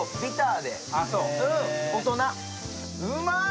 うまーい！